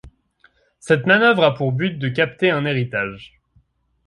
Cette manœuvre a pour but de capter un héritage.